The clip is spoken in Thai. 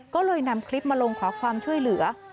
ก็เลยนำคลิปมาลงขอความช่วยเหลือ